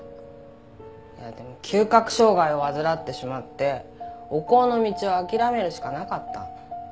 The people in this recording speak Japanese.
でも嗅覚障害を患ってしまってお香の道を諦めるしかなかった。